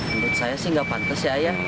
menurut saya sih nggak pantas ya ayah